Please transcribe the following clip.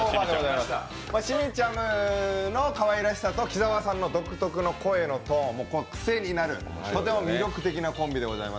しみちゃむのかわいらしさと鬼沢さんの独特のトーンが癖になる、とても魅力的なコンビでございます。